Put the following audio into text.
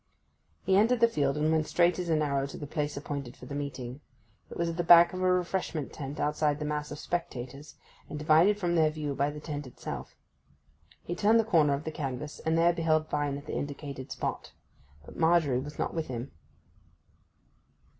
He entered the field and went straight as an arrow to the place appointed for the meeting. It was at the back of a refreshment tent outside the mass of spectators, and divided from their view by the tent itself. He turned the corner of the canvas, and there beheld Vine at the indicated spot. But Margery was not with him.